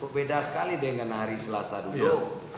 beda sekali dengan hari selasa dulu